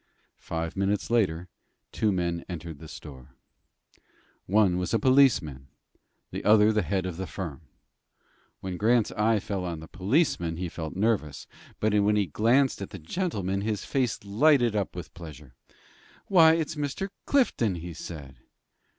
Five minutes later two men entered the store. One was a policeman, the other the head of the firm. When Grant's eye fell on the policeman he felt nervous, but when he glanced at the gentleman his face lighted up with pleasure. "Why, it's Mr. Clifton," he said.